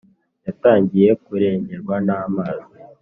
yatangiye kurengerwa n’amazi